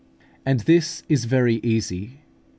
And this is very easy.